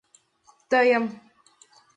Тыйым.